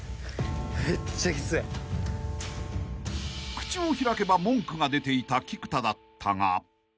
［口を開けば文句が出ていた菊田だったが］